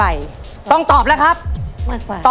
แล้ววันนี้ผมมีสิ่งหนึ่งนะครับเป็นตัวแทนกำลังใจจากผมเล็กน้อยครับ